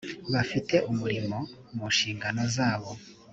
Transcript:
bafite umurimo mu nshingano zabo .